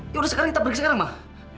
yaudah sekarang kita pergi sekarang bang